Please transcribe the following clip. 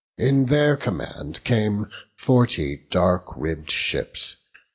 In their command came forty dark ribb'd ships.